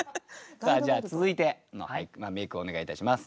さあじゃあ続いての俳句名句をお願いいたします。